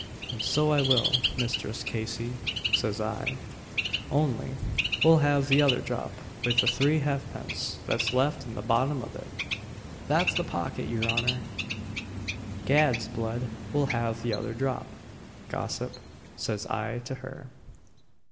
'And so I will, Misthress Casey,' says I 'ounly we'll have t'other drop with the three halfpence that's left in the bottom of it,' that's the pocket your honour. 'Gad's blood, we'll have t'other drop, gossip,' says I to her.